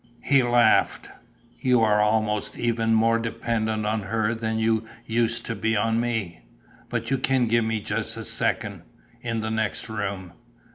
He laughed: "You are almost even more dependent on her than you used to be on me! But you can give me just a second, in the next room."